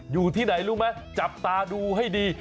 อยู่ที่ไหนรู้ไหมจับตาดูให้ดี